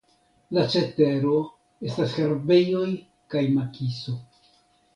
La cetero estas herbejoj kaj makiso.